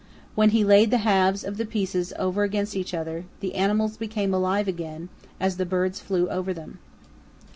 When he laid the halves of the pieces over against each other, the animals became alive again, as the bird flew over them.